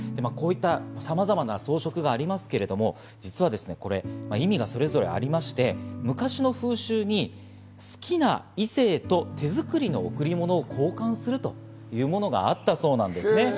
こういったさまざまな装飾がありますけれども、実はこれ、意味がそれぞれありまして、昔の風習に好きな異性と手作りの贈り物を交換するというものがあったそうなんですね。